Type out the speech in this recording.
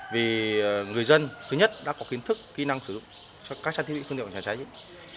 vì người dân thứ nhất đã có kiến thức kỹ năng sử dụng cho các trang thiết bị phương tiện phòng cháy cháy